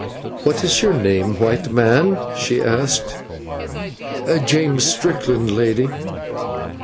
"What is your name, white man?" she asked. "James Strickland, lady."